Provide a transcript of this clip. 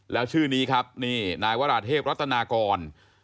แล้วชื่อนี้ครับนี่นายวราเทพรัตนากร